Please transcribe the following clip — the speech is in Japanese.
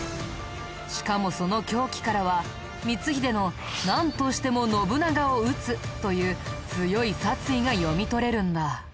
しかもその凶器からは光秀のなんとしても信長を討つという強い殺意が読み取れるんだ。